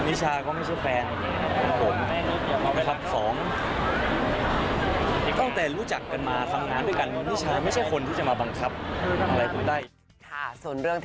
นิชาก็ไม่ใช่แฟน